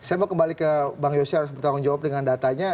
saya mau kembali ke bang yose harus bertanggung jawab dengan datanya